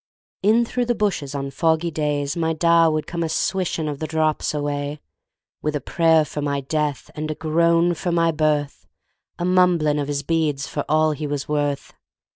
In through the bushes, on foggy days, My Da would come a swishing of the drops away, With a prayer for my death and a groan for my birth, A mumbling of his beads for all he was worth.